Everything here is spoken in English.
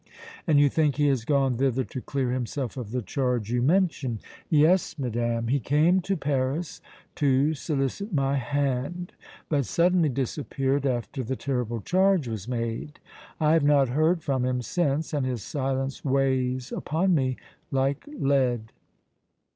"And you think he has gone thither to clear himself of the charge you mention?" "Yes, madame. He came to Paris to solicit my hand, but suddenly disappeared after the terrible charge was made. I have not heard from him since and his silence weighs upon me like lead."